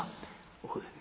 「おい。